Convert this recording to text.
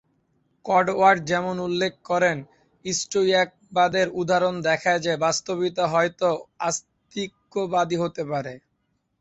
Cudworth যেমন উল্লেখ করেন, স্টোয়িকবাদের উদাহরণ দেখায় যে, বস্তুবাদিতা হয়তো আস্তিক্যবাদী হতে পারে।